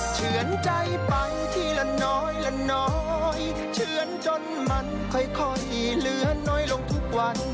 เฉือนใจไปทีละน้อยละน้อยเฉือนจนมันค่อยเหลือน้อยลงทุกวัน